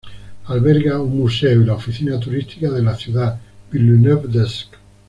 Alberga un museo y la oficina turística de la ciudad Villeneuve-d'Ascq.